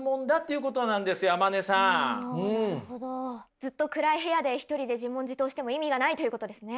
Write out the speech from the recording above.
ずっと暗い部屋で一人で自問自答しても意味がないということですね。